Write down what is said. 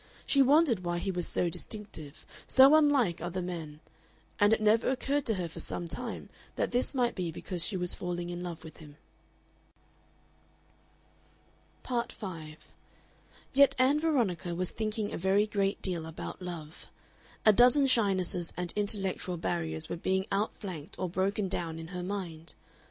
She wondered why he was so distinctive, so unlike other men, and it never occurred to her for some time that this might be because she was falling in love with him. Part 5 Yet Ann Veronica was thinking a very great deal about love. A dozen shynesses and intellectual barriers were being outflanked or broken down in her mind.